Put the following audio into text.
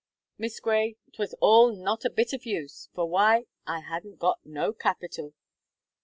Miss Gray, 't was all not a bit of use for why I hadn't got no capital!